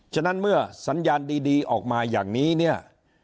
ฉะนั้นเมื่อสัญญาณดีออกมาอย่างนี้เนี่ย